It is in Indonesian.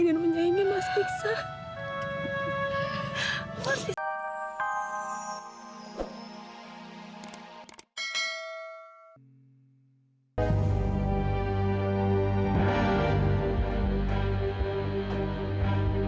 dan menyayangi mas iksan